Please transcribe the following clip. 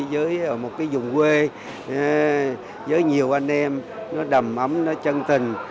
với một cái dùng quê với nhiều anh em nó đầm ấm nó chân tình